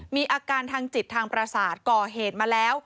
มีอาการทางจิตทางประสาทก่อเหตุมาแล้ว